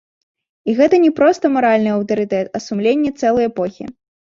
І гэта не проста маральны аўтарытэт, а сумленне цэлай эпохі.